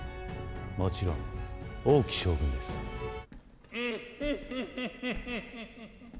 もちろん王騎将軍ですウフフフフ